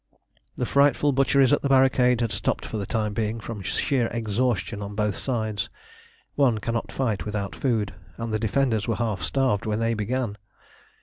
The frightful butcheries at the barricades had stopped for the time being from sheer exhaustion on both sides. One cannot fight without food, and the defenders were half starved when they began.